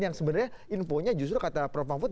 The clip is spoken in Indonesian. yang sebenarnya infonya justru kata prof mahfud